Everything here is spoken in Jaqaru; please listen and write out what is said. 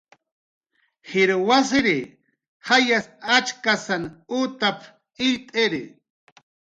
"Jir wasir jayas achkasan utap"" illt'iri"